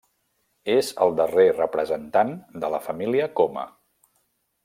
És el darrer representant de la família Coma.